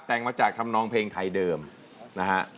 แต่งมาจากธรรมนองเพลงไทยเดิมนะฮะ